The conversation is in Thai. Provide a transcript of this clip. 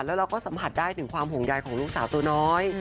แล้วเราก็สัมผัสได้ถึงความห่วงใยของลูกสาวตัวน้อย